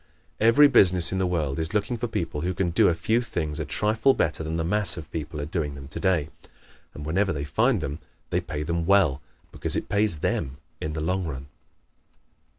Every business in the world is looking for people who can do a few things a trifle better than the mass of people are doing them today, and whenever they find them they pay them well because it pays THEM in the long run.